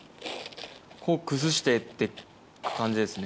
こう崩してって感じですね。